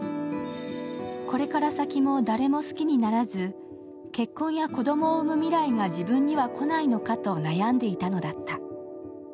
これから先も誰も好きにならず結婚や子供を産む未来が自分には来ないのかと悩んでいたのだった。